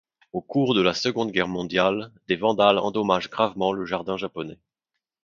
Au cours de la Seconde Guerre mondiale, des vandales endommagent gravement le jardin japonais.